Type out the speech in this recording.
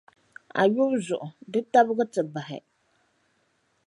A yuli zuɣu, di tabigi ti bahi.